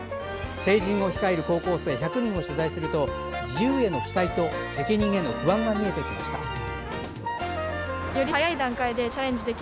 成人を控える高校生１００人を取材すると自由への期待と責任への不安が見えてきました。